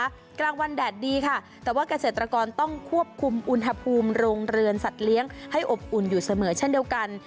กลางวันแดดดีค่ะแต่ว่าเกษตรกรต้องควบคุมอุณหภูมิโรงเรือนสัตว์เลี้ยงให้อบอุ่นอยู่เสมอเช่นเดียวกัน